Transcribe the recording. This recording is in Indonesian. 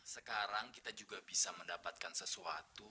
sekarang kita juga bisa mendapatkan sesuatu